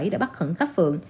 đã bắt khẩn khắp phượng